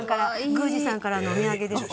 宮司さんからのお土産です。